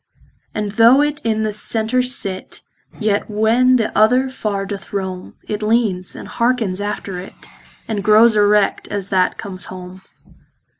And though it in the center sit, Yet when the other far doth rome, It leanes, andhearkens after it, And growes erect, as that comes home.